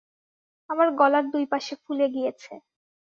আমার গলার দুই পাশে ফুলে গিয়েছে।